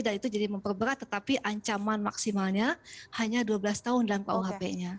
dan itu jadi memperberat tetapi ancaman maksimalnya hanya dua belas tahun dalam kuhp nya